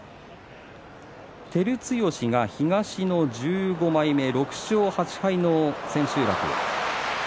照強が東の１５枚目、６勝８敗千秋楽。